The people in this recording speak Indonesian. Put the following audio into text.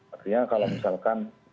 artinya kalau misalkan